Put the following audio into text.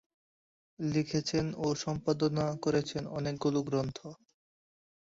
লিখেছেন ও সম্পাদনা করেছেন অনেকগুলো গ্রন্থ।